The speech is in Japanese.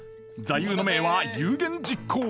座右の銘は「有言実行」。